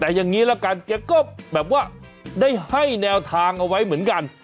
แต่อย่างนี้ละกันแกก็แบบว่าได้ให้แนวทางเอาไว้เหมือนกัน